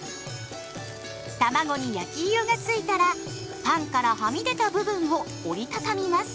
たまごに焼き色がついたらパンからはみ出た部分を折り畳みます。